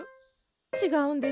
違うんです。